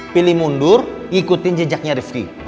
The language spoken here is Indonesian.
pilih mundur ikutin jejaknya rifki